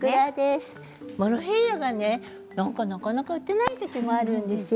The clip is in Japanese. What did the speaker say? モロヘイヤがね、なかなか売ってない時もあるんですよ。